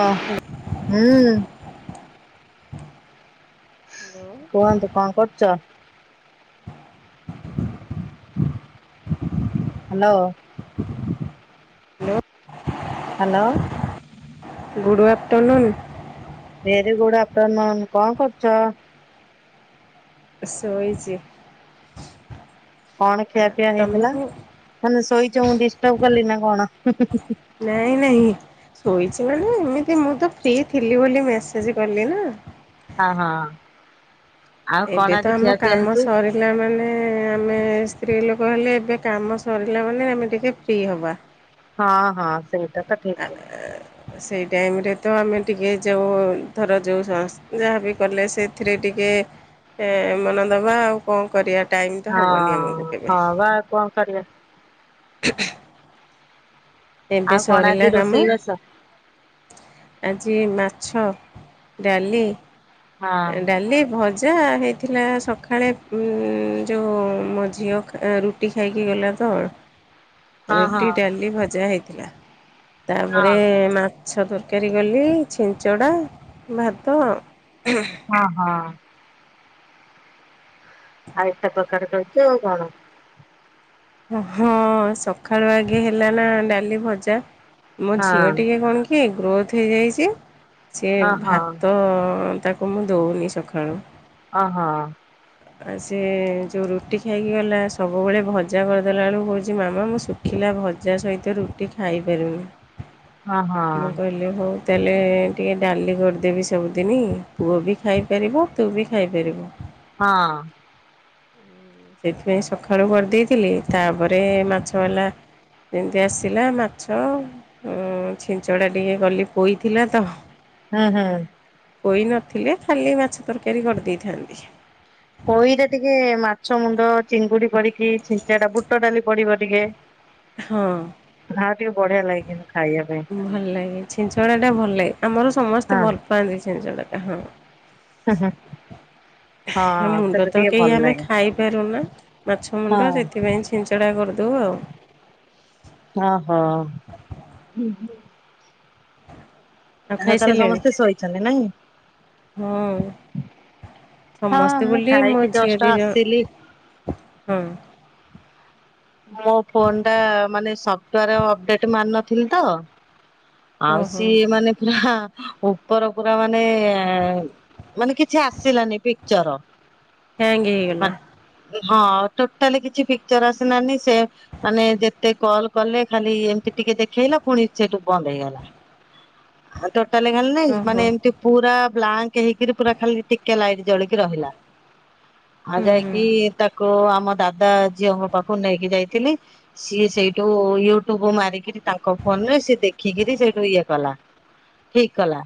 ହ, ହୁଁ ହ୍ୟାଲୋ। କୁହନ୍ତୁ, କଣ କରୁଚ? Hello. Hello. Good afternoon. Very good afternoon, କଣ କରୁଚ? ଶୋଇଚି। କଣ କି? ଖିଆ ପିଆ ହେଇଥିଲା। ହେନେ ଶୋଇଛ! ମୁଁ ଡିଷ୍ଟର୍ବ କଲି ନା କଣ? ହୁଁ ହୁଁ ହୁ। ନାଇଁ, ନାଇଁ, ଶୋଇଛି ମାନେ ଏମିତି ମୁଁ, ତ ଫ୍ରି ଥିଲି ବୋଲି ମେସେଜ କଲି ନା! ହଁ। ଆଉ କଣ ଏବେ ତ ଆଜି ଖିଆ ଆମ ପିଆ କାମ ହେଇଛି? ସରିଲା ମାନେ-ଏ, ଆମେ ସ୍ତ୍ରୀ ଲୋକ କହିଲେ, ଏବେ କାମ ସରିଲା ମାନେ, ଆମେ ଟିକେ ଫ୍ରି ହବା । ହଁ, ହଁ ସେଇଟା ତ ଠିକ୍ । ସେଇ ଟାଇମ୍ ରେ ତ ଆମେ ଟିକେ ଯଉଁ, ଧର ଯଉଁ ସଂସ୍ ଯାହାବି କଲେ, ସେଥିରେ ଟିକେ କେ ଏଁ ମନ ଦବା, ଆଉ କଣ କରିଆ? । ଟାଇମ୍ ତ ହଁ ହବନି ଆମକୁ କେବେ? ହଁ ବା କଣ କରିବା [inaudible] ଏବେ ଆଉ କଣ ସରିଲା ଆଜି କାମ ରୋଷେଇ ବାସ? ଆଜି ମାଛ, ଡାଲି। ହଁ ଡାଲି, ଭଜା, ହେଇ ଥିଲା ସକାଳେ ଉମ୍ ଯେଉଁ, ମୋ ଝିଅ ଖା ରୁଟି ଖାଇକି ଗଲା ତ! ହଁ ହଁ ରୁଟି, ଡାଲି, ଭଜା ହେଇଥିଲା । ହଁ ତା'ପରେ ମାଛ ତରକାରୀ କଲି, ଛିଞ୍ଚଡ଼ା, ଭାତ ଆଉ। ହଁ, ହଁ। ଆଉ, ଏତେ ପ୍ରକାର କରିଚ ଆଉ କଣ? ହଁ, ସକାଳୁ ଆଗେ ହେଲା ନା ଡାଲି ଭଜା । ମୋ ଝିଅ ହଁ ଟିକେ କଣ କି ଗ୍ରୋଥ୍ ହେଇଯାଇଛି। ସିଏ ଓହୋ ଭାତ-ଅ ତାକୁ, ମୁଁ ଦଉନି ସଖାଳୁ । ଅ ହ। ଆଉ, ସିଏଁ ଯୋଉଁ ରୁଟି ଖାଇକି ଗଲା। ସବୁବେଳେ ଭଜା କରିଦେଲାଳୁ କହୁଛି, ମାମା ମୁଁ ଶୁଖିଲା ଭଜା ସହିତ ରୁଟି ଖାଇପାରୁନି । ହଁ ହଁ, ତାଏଲେ -ଏଁ ଟିକେ ଡାଲି କରଦେବି ସବୁଦିନି। ପୁଅ ବି ଖାଇପାରିବ ତୁ ବି ଖାଇପାରିବୁ । ହଁ। ସେଥିପାଇଁ ସକାଳୁ କରିଦେଇଥିଲି। ତା'ପରେ ମାଛ ବାଲା ଯେମିତି ଆସିଲା, ମାଛ ଛିଞ୍ଚଡା ଟିକେ କଲି ପୋଇଥିଲା ତ! ହୁଁ, ହୁଁ। ଥିଲେ, ଖାଲି ମାଛ ତରକାରୀ କରିଦେଇଥାନ୍ତି । ପୋଇରେ ଟିକେ ମାଛ ମୁଣ୍ଡ, ଚିଙ୍ଗୁଡି, ପଡ଼ିକି ଛିଞ୍ଚିଡ଼ା ବୁଟ ଡାଲି ପଡିିବ ଟିକେ । ହଁ। ବଢ଼ିଆ ଲାଗେ। କିନ୍ତୁ ଖାଇ ଭଲ ଲାଗେ। ଛିଞ୍ଚଡ଼ାଟା ଭଲ ଲାଗେ। ଆମର ସମସ୍ତେ ହଁ ଭଲ ପାଆନ୍ତି ଛିଞ୍ଚଡ଼ାଟା ହଁ । ହୁଁ, ହୁଁ। ହଁ ମୁଣ୍ଡ, ସେଟା ତ ଟିକେ କେହି ଭଲ ଆମେ ଲାଗେ ଖାଇପାରୁନା । ମାଛ ହଁ ମୁଣ୍ଡ, ସେଥିପାଇଁ ଛିଞ୍ଚଡ଼ା କରିଦଉ ଆଉ । ଓ ହୋ! ଆଉ ତାହେଲେ, ସମସ୍ତେ ଶୋଇଛନ୍ତି ନାଇଁ? ହଁ ହଁ ସମସ୍ତେ ମୁଁ ବୋଲି ମୋ ଖାଇକି ଝିଅ ଜଷ୍ଟ ଦି ଆସିଲି ଜଣ, ହଁ । ମୋ ଫୋନ୍ ଟା ମାନେ ସଫ୍ଟୱେର୍ ଅପଡେଟ୍ ମାର ନଥିଲି ତ! ଆଉ, ଓହୋ ସିଏ ମାନେ ପୁରାହା! ଉପର ପୁରା ମାନେ ମାନେ-ଏଁ, ମାନେ କିଛି ଆସିଲାନି ପିକ୍ଚର । ହ୍ୟାଙ୍ଗ୍ ହେଇଗଲା । ହଁ, ଟୋଟାଲ୍ କିଛି ପିକ୍ଚର ଆସ୍ ନାନି, ସେ ମାନେ ଯେତେ କଲ୍ କଲେ, ଖାଲି ଏମିତି ଟିକେ ଦେଖେଇଲା। ପୁଣି ସେଠୁ ବନ୍ଦ ହେଇଗଲା । [inaudible] ଖାଲି ତ ତା ହେଲେ ଖାଲି ଓହୋ ମାନେ ଏମିତି ପୁରା ବ୍ଲାଙ୍କ ହେଇକରି ପୁରା ଖାଲି ଟିକେ ଲାଇଟ ଜଳିକି ରହିଲା। ଆଉ ହୁଁ ହୁଁ ଯାଇକି ତାକୁ ଆମ ଦାଦା ଝିଅଙ୍କ ପାଖ ପାଖକୁ ନେଇକି ଯାଇଥିଲି ସିଏ ସେଇଠୁ ୟୁଟ୍ୟୁବ ମାରିକରି ତାଙ୍କ ଫୋନ ରେ ସିଏ ଦେଖିକିରି ସେ ସେଠୁ ଇଏ କଲା। ହ ଠିକ କଲା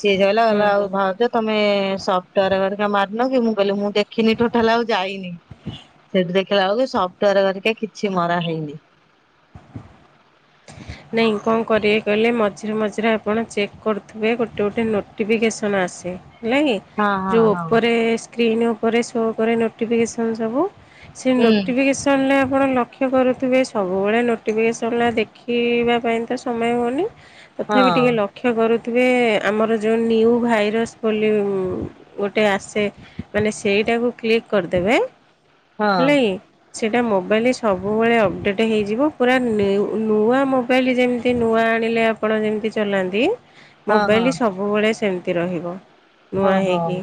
ସିଏ କହିଲା କହିଲା ଆଉ ଭାଉଜ ତମେ ସପ୍ଟୱେୟାର ଘରିକା ମାରିନ କି ମୁଁ କହିଲେ ମୁଁ ଦେଖିନି ଟୋଟାଲ ହେଲା ଆଉ ଯାଇନି ସେଠି ଦେଖିଲା ବେଳକୁ ସ ଭିତର ଘରିକା କିଛି ମରା ହେଇନି। ନାଇଁ କଣ କରିବେ କହିଲେ ମ ମଝିରେ ମଝିରେ ଆପଣ ଚେକ୍ କରୁଥିବେ ଗୋଟେ ଗୋଟେ ନୋଟିଫିକେସନ୍ ଆସେ। ହେଲା କି ହଁ ହଁ ଯେଉଁ ହଁ। ଉପରେ ସ୍କ୍ରିନ୍ ଉପରେ ଶୋ କରେ ନୋଟିଫିକେସନ୍ ସବୁ। ସେ ହୁଁ ନୋଟିଫିକେସନ୍ ରେ ଆପଣ ଲକ୍ଷ କରୁଥିବେ ସବୁବେଳେ ନୋଟି ନୋଫିକେସନ୍ ଦେଖିବା ପାଇଁ ତ ସମୟ ହଉନି ହଁ ତଥାପି ଟିକେ ଲକ୍ଷ୍ୟ କରୁ ଥିବେ ଆମର ଯଉ ନ୍ୟୁ ଭାଇରସ୍ ବୋଲି ଗୋଟେ ଆସେ ମାନେ ସେ ସେଇଟାକୁ କ୍ଲିକ୍ କରିଦେବେ। ହଁ ହଁ ହେଲା କି ସେଇଟା ମୋବାଇଲ ସବୁବେଳେ ଅପଡ଼େଟ୍ ହେଇଯିବ। ପୁରା ନି ନୂଆ ମୋବାଇଲ ଯେମିତି ନୂଆ ଆଣିଲେ ଆପଣ ଯେମିତି ଚଲାନ୍ତି ମୋବାଇଲ ସବୁବେଳେ ସେମିତି ରହିବ ହଁ ନୂଆ ହଁ ହେଇକି।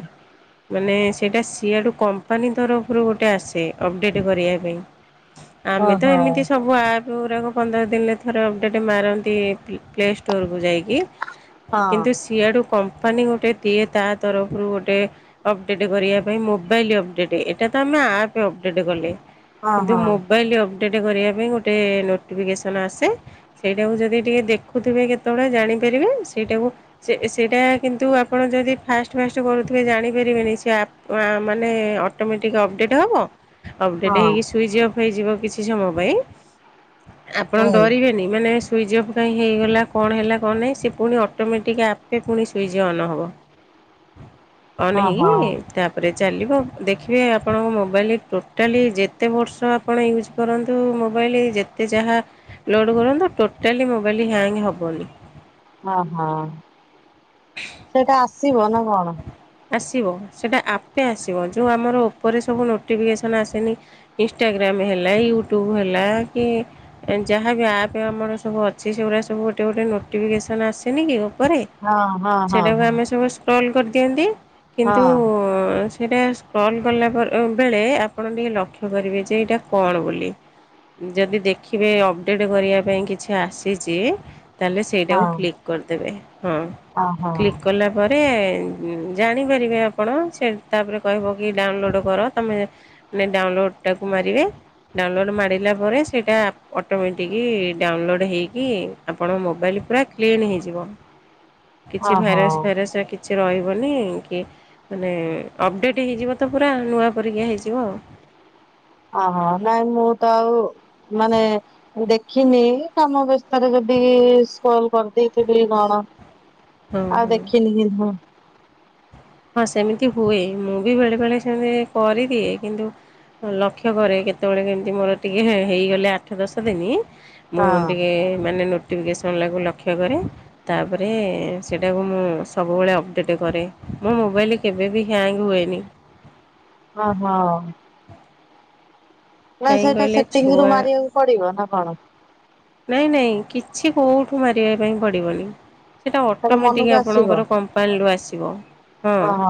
ମାନେ ସେଇଟା ସିଆଡ଼ୁ କମ୍ପାନୀ ତରଫରୁ ଗୋଟେ ଆସେ ଅପଡ଼େଟ୍ କରିବା ପାଇଁ। ହଁ ଆମେ ତ ହଁ ହଁ। ଏମିତି ସବୁ ଆପ୍ ଯେଉଁ ଗୁରାକ ପନ୍ଦର ଦିନରେ ଥରେ ଅପଡ଼େଟ୍ ମାରନ୍ତି ପ୍ଲେ ଷ୍ଟୋରକୁ ଯାଇକି କିନ୍ତୁ ହଁ ସିଆଡ଼ୁ କମ୍ପ କମ୍ପାନୀ ଗୋଟେ ଦିଏ ତା ତରଫରୁ ଗୋଟେ ଅପଡେଟ୍ କରିବା ପାଇଁ ମୋବାଇଲ ଅପଡେଟ୍ ଏଟା ତ ଆମେ ଆପ ଅପଡେଟ୍ କଲେ ହଁ କିନ୍ତୁ ହଁ ମୋବାଇଲ ଅପଡେଟ୍ କରିବା ପାଇଁ ଗୋ ଗୋଟେ ନୋଟିଫିକେସନ୍ ଆସେ ସେଇଟାକୁ ଯଦି ଟିକେ ଦେଖୁଥିବେ କେତେବେଳେ ଜାଣିପାରିବେ ସେଇଟାକୁ ସେ ସେଟା କିନ୍ତୁ ଆପଣ ଯଦି ଫାଷ୍ଟ ଫାଷ୍ଟ କରୁଥିବେ ଜାଣିପାରିବେନି ସେ ଆପ ମାନେ ଅଟୋମେଟିକ ଅପଡେଟ୍ ହବ ଅପଡେଟ୍ ହଁ ହେଇକି ସୁଇଚ ଅଫ୍ ହେଇଯିବ କିଛି ସମୟ ପାଇଁ। ଆପଣ ଏଇ ଡରିବେନି ମାନେ ସୁଇଜ ଅଫ କାଇଁ ହେଇଗଲା କଣ ହେଲା କଣ ନାହିଁ ସେ ପୁଣି ଅଟୋମେଟିକ୍ ଆପେ ପୁଣି ସୁଇଚ୍ ଅନ୍ ହବ। ଅନ୍ ହଁ ହଁ ହେଇକି ତାପରେ ଚାଲିବ ଦେଖିବେ ଆପଣଙ୍କ ମୋବାଇଲ ଟୋଟାଲି ଯେତେ ବର୍ଷ ଆପଣ ୟୁଜ୍ କରନ୍ତୁ ମୋବାଇଲ ଯେତେ ଯାହା ଲୋଡ଼୍ କରନ୍ତୁ ଟୋଟାଲି ମୋବାଇଲ ହ୍ୟାଙ୍ଗ୍ ହବନି। ଓହୋ ସେଇଟା ଆସିବ ନା କଣ? ଆସିବ ସେଇଟା ଆପେ ଆସିବ ଯେଉଁ ଆମର ଉପରେ ସବୁ ନୋଟିଫିକେସନ୍ ଆସେନି ଇନଷ୍ଟାଗ୍ରାମ୍ ଆ ହେଲା ୟୁଟ୍ୟୁବ୍ ହେଲା କି ଯାହା ବି ଆପ୍ ଆମର ସବୁ ଅଛି ସେଗୁଡ଼ା ସବୁ ଗୋଟେ ଗୋଟେ ନୋଟିଫିକସନ୍ ଆସେନି କି ଉପରେ ହଁ ହଁ ହଁ ସେଟାକୁ ହଁ ଆମେ ସବୁ ସ୍କ୍ରଲ୍ କରି କରି ଦିଅନ୍ତି ହଁ କିନ୍ତୁ ହଁ। ସେଇଟା କଲ୍ କଲା ବେଳେ ଆପଣ ଟିକେ ଲକ୍ଷ୍ୟ କରିବେ ଯେ ଏଇଟା କଣ ବୋଲି। ଯଦି ଦେଖିବେ ଅପଡେଟ୍ କରିବା ପାଇଁ କିଛି ଆସିଚି ତାହେଲେ ସେଇଟାକୁ ଓହୋ କ୍ଲିକ୍ କରିଦେବେ ହଁ କ୍ଲିକ୍ କଲା ପରେ ଜାଣିପାରିବେ ଆପଣ ସେ ତାପରେ କହିବ କି ଡାଉନଲୋଡ୍ କର ତମେେ ଡାଉନଲୋଡ୍ ଟାକୁ ମା ମାରିବେ। ଡାଉନଲୋଡ୍ ମାରିଲା ପରେ ସେଇଟା ଅଟୋମେଟିକି ଡାଉନଲୋଡ୍ ହେଇକି ଆପଣ ମୋବାଇଲ ପୁରା କ୍ଲିନ ହେଇଯିବ କିଛି ଓହୋ ଭାଇରସ୍ ଫାଇରସ କିଛି ରହିବନି। ଓକେ ମାନେ ଅପଡେଟ୍ ହେଇଯିବ ପୁରା ନୂଆଁ ପରିକା ହେଇଯିବ ଆଉ। ଓହୋ ନାଇଁ ମୁଁ ତ ଆଉ ମାନେ ଦେଖିନି କାମ ବ୍ୟସ୍ତତରେ ଯଦି ସ୍କ୍ରୋଲ କରିଦେଇଥିବି କଣ। ହଁ ଆଉ ହଁ। ଦେଖିନିିକିନ୍ତୁ ହଁ। ହଁ ସେମିତି ହୁଏ ମୁଁ ବି ବେଳେ ବେଳେ ସେମିତି କରିଦିଏ କିନ୍ତୁ ଲକ୍ଷ୍ୟ କରେ କେତେବେଳେ କେମିତି ମୋର ଟିକେ ହେ-ହେଇଗଲେ ଆଠ ଦଶ ଦିନ। ମୁଁ ହଁ ଟିକେ ମାନେ ନୋ ନୋଟିଫିକେସନ୍ ଲାଗୁ ଲକ୍ଷ୍ୟ କରେ ତାପରେ ସେଇଟାକୁ ମୁଁ ସବୁବେଳେ ଅପଡ଼େଟ୍ କରେ। ମୋ ମୋବାଇଲ କେବେବି ହ୍ୟାଙ୍ଗ ହୁଏନି। ହଁ ହଁ। ନା କାହିଁ ସେଇଟା କହିଲେ ସେଟିଙ୍ଗରୁ ଛୁଆ ମାରିବାକୁ ପଡିବ ନା କଣ। ନାଇଁ ନାଇଁ କିଛି କୋଉଠୁ ମାରିବା ପାଇଁ ପଡିବନି। ସେଇଟା ଅଟୋମେଟିକ୍ ମନକୁ ଆସିବ ଆପଣଙ୍କର କମ୍ପାନୀରୁୁ ଆସିବ ହଁ ଓହୋ।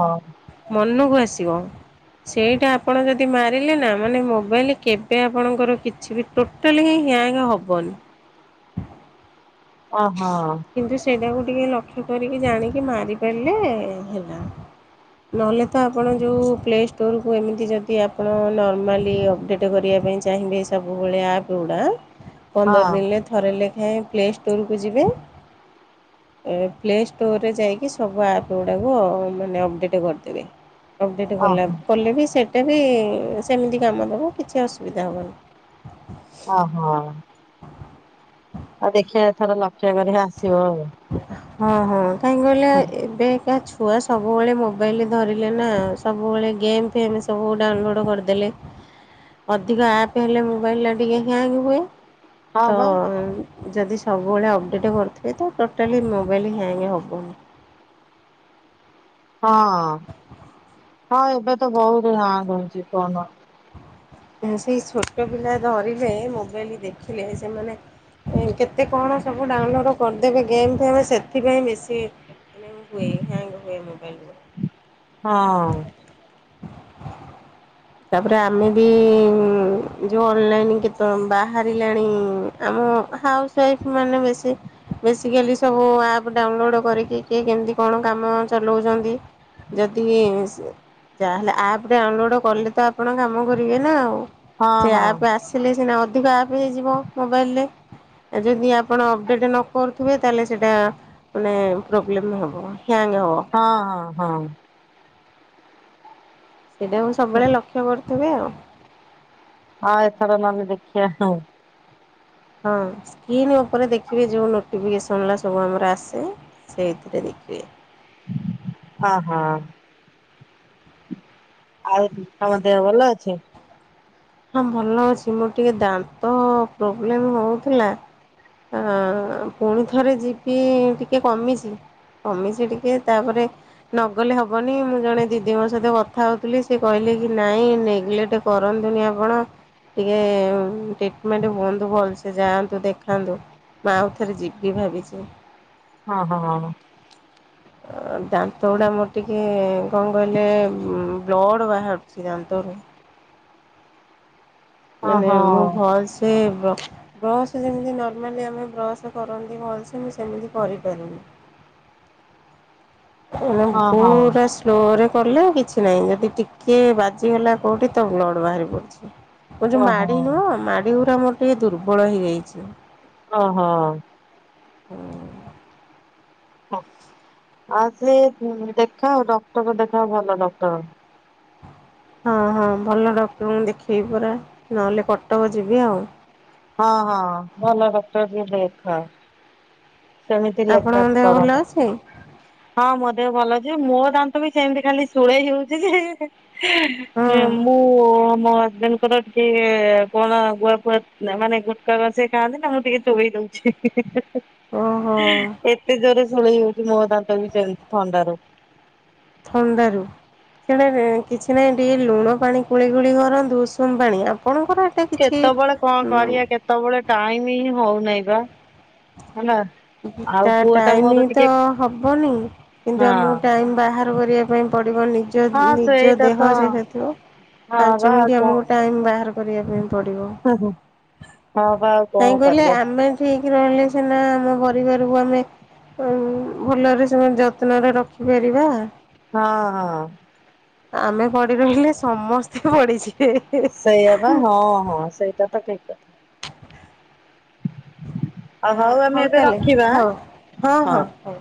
ମନକୁ ଆସିବ। [unintelligible] ସେଇଟା ଆପଣ ଯଦି ମାରିଲେ ନା ମାନେ ମୋବାଇଲ କେବେ ଆପଣଙ୍କର କିଛି ବି ଟୋଟାଲ ହିଁ ହ୍ୟାଙ୍ଗ ହବନି। ଓହୋ। କିନ୍ତୁ ସେଇଟାକୁ ଟିକେ ଲକ୍ଷ୍ୟ କରିକି ଜାଣିକି ମାରି ପାରିଲେ ହେଲା। ନହେଲେ ତ ଆପଣ ଯଉ ପ୍ଲେ ଷ୍ଟୋରକୁ ଏମିତି ଯଦି ଆପଣ ନର୍ମାଲି ଅପଡ଼େଟ୍ କରିବା ରିବା ଚାହିଁବେ ସବୁବେଳେ ଆପଗୁଡା ହଁ ପନ୍ଦର ଦିନେ ଥରେ ଲେଖାଏଁ ପ୍ଲେ ତୋରକୁ ଯିବେ। ଏ ପ୍ଲେ ଷ୍ଟୋରରେ ଯାଇକି ସବୁ ଆପ୍ ଗୁଡ଼ାକୁମାନେ ଅପଡ଼େଟ୍ କରିଦେବେ। ଅପଡେଟ ଗଲା ଓହୋ କଲେ ବି ସେଟା ବି ସେମିତି କାମ ଦବ କିଛି ଅସୁବିଧା ହେବନି। ଓ ହୋ। ଆଉ ଦେଖିବା ଥର ଲକ୍ଷ୍ୟ କରିିବା ଆସିବ ଆଉ। ହଁ ହଁ କାହିଁକି କହିଲେ ଏବେ କା ଚୁ ଛୁଆ ସବୁବେଳେ ମୋବାଇଲ ଧରିଲେ ନା ସବୁବେଳେ ଗେମ୍ ଫେମ୍ ସବୁ ଡାଉନଲୋଡ଼୍ କରିଦେଲେ। ଅଧିକ ଆପ୍ ହେଲେ ମୋବାଇଲଟା ଟିକେ ହ୍ୟାଙ୍ଗ ହୁଏ। ହଁ ତ ବା ଯଦି ସବୁବେଳେ ଅପଡେଟ୍ କରୁଥିବେ ତ ଟୋଟଲି ମୋବାଇଲ ହ୍ୟାଙ୍ଗେ ହବନି। ହଁ ହଁ ଏବେ ତ ବହୁତ ହ ହଉଛି କଣ। ସେଇ ଛୋଟ ପିଲା ଧରିଲେ ମୋବାଇଲ ଦେଖିଲେ ସେମାନେ କେତେ କଣ ସବୁ ଡାଉନଲୋଡ଼ କରିଦେବେ ଗେମ୍ ଫେମ ସେଥିପାଇଁ ବେଶି [unintelligible] ହୁଏ ହ୍ୟାଙ୍ଗ ହୁଏ ମୋବାଇଲ ଗୁଡା। ହଁ। ତାପରେ ଆମେ ବି ଉଁ ଯଉ ଅନଲାଇନ୍ କେତେବେଳେ ବାହାରିଲାଣି ଆମ ହାଉସ୍ ୱାଇଫ ମାନେ ବେଶି ବେଶିକାଲି ସବୁ ଆପ ଡାଉନଲୋଡ କରିକି କିଏ କେମିତି କଣ କାମ ଚଲଉ କହୁଚନ୍ତି ଯଦି ସ ଯାହାହେଲେ ଆପ ଡାଉନ ଲୋଡ କଲେତ ଆପଣ କାମ ହଁ [unintelligible] ସେ ହଁ ହଁ ଆପ୍ ଆସିଲେ ସିନା ଅଧିକ ଆପ୍ ହେଇଯିବ ମୋବାଇଲରେ ଆ ଯଦି ଆପଣ ଅପଡ଼େଟ୍ ନ କରୁଥିବେ ତାହେଲେ ସେଇଟା ମାନେ ପ୍ରୋବ୍ଲେମ୍ ହେବ। ହ୍ୟାଙ୍ଗ ହବ। ହଁ ହଁ। ସେଇଟାକୁ ସବୁବେଳେ ଲକ୍ଷ୍ୟ କରୁଥିବି ଆଉ। ହଁ ଏଥର ନହେଲେ ଦେଖିଆ ହୁଁ। ହଁ ସ୍କ୍ରନ୍ ଉପରେ ଦେଖିବେ ଯୋଉ ନୋଟିଫିକେସନରା ସବୁ ଆମର ଆସେ ସେଥିରେ ଦେ ସେ ହଁ ହଁ। ଆଉ ତମ ଦେହ ଭଲ ଅଛି। ହଁ ଭଲ ଅଛି ମୋର ଟିକେ ଦାନ୍ତ ପ୍ରୋବ୍ଲେମ ହଉଥିଲା। ଆ ପୁଣିଥରେ ଯିବି ଟିକେ କମିଛି। କମିଛି ଟିକେ ତାପରେ ନଗଲେ ହବନି ମୁଁ ଜଣେ ଦିଦି ମୋ ସହିତ କଥା ହଉଥିଲି ସେ କହିଲେ କି ନାଇଁ ନେଗଲେକ୍ଟ କରନ୍ତୁନି ଆ ଆପଣ ଟିକେ ଟ୍ରିଟମେଣ୍ଟ ହୁଅନ୍ତୁ ଭଲସେ ଯାଆନ୍ତୁ ଦେଖାନ୍ତୁ ମା ଆଉ ଥରେ ଯିବି ଭାବିଛି। ହଁ ହଁ। ଦାନ୍ତ ଗୁଡା ମୋର ଟିକେ କଣ କହିଲେ ବ୍ଲଡ ବାହାରୁଛି ଦାନ୍ତ ଓହୋ। ହଁ ମାନେ ହଁ। ମୁଁ ଭଲ ସେ ବ୍ର ବ୍ରସ୍ ଯେମିତି ନର୍ମାଲି ଆମେ ବ୍ରସ କରନ୍ତି ଭଲସେ ମୁଁ ସେମିତି କରିପାରୁନି। [inaudible] ଉଁ ନା ଓହୋ ପୁରା ସ୍ଲୋରେ କଲେ ଆଉ କିଛି ନାହିଁ। ଯଦି ଟିକେ ବାଜିଗଲା କୋଉଠି ତ ବ୍ଲଡ ବାହାରି ପଡୁଛି। ମୋର ଯୋଉ ଓହୋ ମାଢ଼ି ନୁହଁ, ମାଢ଼ି ଗୁରା ମୋର ଟିକେ ଦୁର୍ବଳ ହେଇଯାଇଛି। ଅହ। ହୁଁ। ଆସେ ଉମ୍ ଦେଖାଅ ଡକ୍ଟର ଦେଖାଅ ଭଲ ଡକ୍ଟର। ହଁ ହଁ। ଭଲ ଡକ୍ଟରଙ୍କୁ ଦେଖେଇବି ପରା, ନହେଲେ କଟକ ଯିବି ଆଉ। ହଁ ହଁ ଭଲ ଡକ୍ଟର ଯିଏ ଦେଖାଅ। ସେମିତି ଆପଣଙ୍କ [unintelligible] ଦେହ ଭଲ କରନେଇ। ଅଛି? ହଁ ମୋ ଦେହ ଭଲ ଅଛି। ମୋ ଦାନ୍ତ ବି ସେମତି ଖାଲି ଶୂଳେଇ ହେଉଛି ଯେ ହେ ହଁ ହେ ମୁଁ ମୋ ହଜବେଣ୍ଡଙ୍କର ଟିକେ କଣ ଗୁଆ ଫୁଆ ମାନେ ଗୁଟକା ତ ସିଏ ଖାଆନ୍ତିନି, ମୁଁ ଟିକେ ଚୋବେଇ [unintelligible] ଓହୋ। ଏତେ ଜୋରେ ଶୁଳେଇ ହଉଛି ମୋ ଦାନ୍ତ ବି ସେମିତି ଥଣ୍ଡାରୁ। ଥଣ୍ଡାରୁ। ସେଟା କିଛି ନାହିଁ ଟିକେ ଲୁଣ ପାଣି କୁଳି କୁଳି କରନ୍ତୁ ଉଷୁମ ପାଣି। ଆପଣ କେତେବଳେ କଣ କରିଆ କେତେବଳେ ଟାଇମ ହିଁ ହଉନାହିଁ ବା। ହେଲା। ଆଉ ଟା ପୁଅ ଟାଇମ ମୋର ତ ଟିକେ ହବନି କିନ୍ତୁ ହଁ ଆମକୁ ଟାଇମ ବାହାର କରିବା ପାଇଁ ପ ପଡିବ ନିଜ ହଁ ନିଜ ସେଇଟା ଦେହ ତ ଯେହେତୁ ହଁ ବା ପାଞ୍ଚ ଆଉ ମିଣ୍ଟି ଆମକୁ ଟାଇମ ବାହାର କରିଆ ପାଇଁ ପଡିବ। କଣ ହଁ ବା ଆଉ କାହିଁକି କଣ କହିଲେ କରିବା ଆମେ ଠିକ ରହିଲେ ସିନା ଆମ ପରିବାରକୁ ଆମେ ଭଲରେ ସେ ମାନେ ଯତ୍ନରେ ରଖିପାରିବା। ହଁ ହଁ। ଆମେ ପଡିି ରହିଲେ ସମସ୍ତେ ପଡିିଯିବେ। ସେଇଆ ବା ହଁ ହଁ ସେଇଟା ତ ଠିକ କଥା। ଆଉ ଅ ହଉ ଆମେ ଏବେ ତାହଲେ ରଖିବା ହଉ ହଁ ହଁ ହଁ ହଉ।